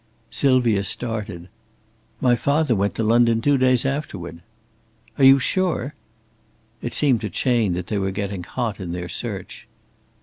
Sylvia started. "My father went to London two days afterward." "Are you sure?" It seemed to Chayne that they were getting hot in their search.